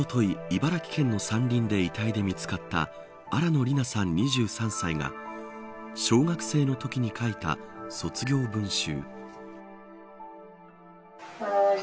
茨城県の山林で遺体で見つかった新野りなさん、２３歳が小学生のときに書いた卒業文集。